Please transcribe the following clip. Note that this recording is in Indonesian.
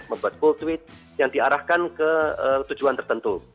membuat full tweet yang diarahkan ke tujuan tertentu